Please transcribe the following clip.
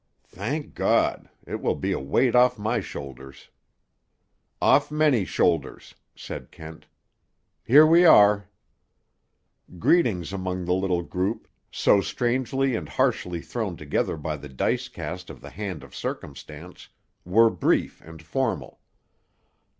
"Thank God! It will be a weight off my shoulders." "Off many shoulders," said Kent. "Here we are." Greetings among the little group, so strangely and harshly thrown together by the dice cast of the hand of Circumstance, were brief and formal.